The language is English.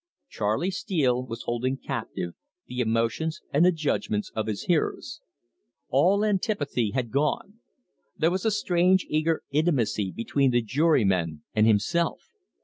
Charley Steele was holding captive the emotions and the judgments of his hearers. All antipathy had gone; there was a strange eager intimacy between the jurymen and himself.